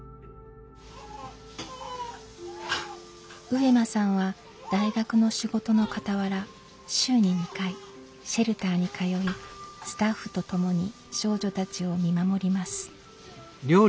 上間さんは大学の仕事のかたわら週に２回シェルターに通いスタッフと共に少女たちを見守ります。